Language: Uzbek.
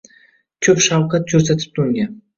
Ko‘p shafqat ko‘rsatibdi unga.